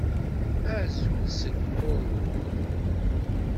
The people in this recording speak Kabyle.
Azul seg Cornwall!